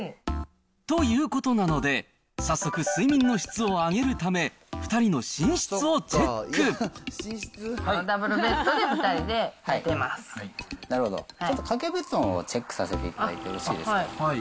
ということなので、早速睡眠の質を上げるため、２人の寝室をダブルベッドで２人で寝てまなるほど、ちょっと掛布団をチェックさせていただいてよろしいですか。